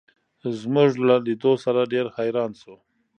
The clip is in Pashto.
زموږ له لیدو سره ډېر حیران شو.